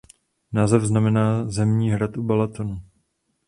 Název znamená "zemní hrad u Balatonu".